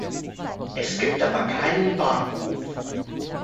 Es gibt aber keinen Bahnhof.